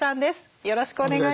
よろしくお願いします。